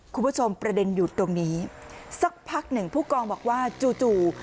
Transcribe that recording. คุณผู้ชมประเด็นอยู่ตรงนี้สักพักหนึ่งผู้กองบอกว่าจู่จู่